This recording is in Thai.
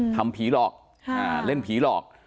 ทำผีหลอกเล่นผีหลอก